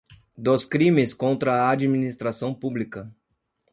Dos crimes contra a administração pública.